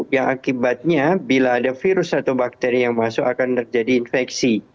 yang akibatnya bila ada virus atau bakteri yang masuk akan terjadi infeksi